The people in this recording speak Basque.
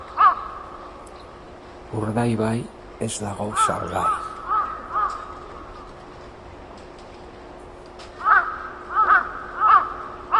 Gainera, lau etxebizitza beharizan bereziak dituzten pertsonei egokitu dituzte.